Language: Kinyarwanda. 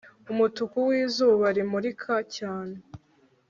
umutuku wizuba rimurika cyane